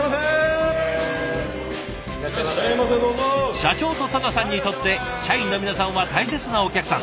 社長と田名さんにとって社員の皆さんは大切なお客さん。